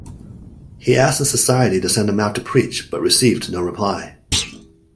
He asked the Society to send him out to preach but received no reply.